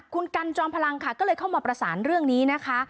คุณกันจอมพลังค่ะก็เลยเข้ามาประสานเรื่องนี้นะคะ